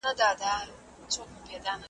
چي کیسې مي د ګودر د پېغلو راوړي `